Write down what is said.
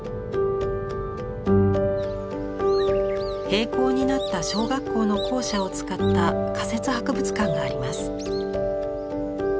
閉校になった小学校の校舎を使った仮設博物館があります。